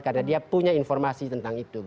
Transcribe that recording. karena dia punya informasi tentang itu